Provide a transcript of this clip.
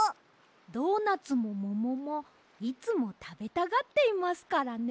ドーナツももももいつもたべたがっていますからね。